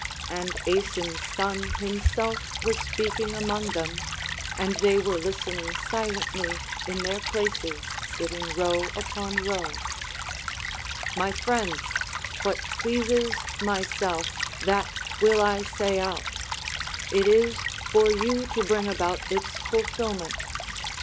And Aeson's son himself was speaking among them; and they were listening silently in their places sitting row upon row: "My friends, what pleases myself that will I say out; it is for you to bring about its fulfilment.